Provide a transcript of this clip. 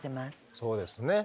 そうですね。